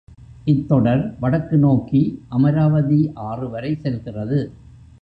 இத் தொடர் வடக்கு நோக்கி அமராவதி ஆறுவரை செல்லுகிறது.